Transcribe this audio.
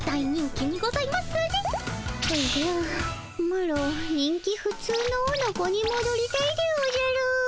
マロ人気ふつうのおのこにもどりたいでおじゃる。